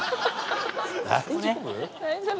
大丈夫？